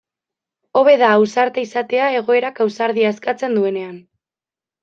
Hobe da ausarta izatea egoerak ausardia eskatzen duenean.